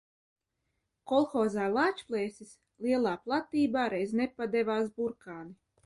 "Kolhozā "Lāčplēsis" lielā platībā reiz nepadevās burkāni."